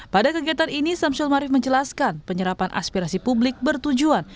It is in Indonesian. pada kegiatan ini samsyul ma arif menjelaskan penyerapan aspirasi publik bertujuan